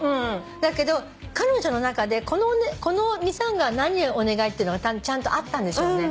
だけど彼女の中でこのミサンガは何をお願いってのがちゃんとあったんでしょうね。